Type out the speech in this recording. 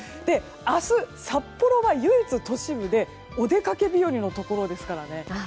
明日、札幌は唯一都市部でお出かけ日和のところですからね。